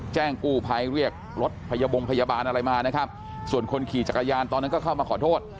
แจ้งกู้ภัยเรียกรถพยาบงพยาบาลอะไรมานะครับส่วนคนขี่จักรยานตอนนั้นก็เข้ามาขอโทษ